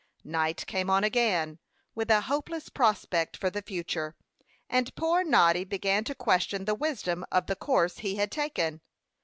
Night came on again, with a hopeless prospect for the future; and poor Noddy began to question the wisdom of the course he had taken.